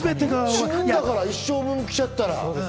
死ぬんだから一生分来ちゃったら。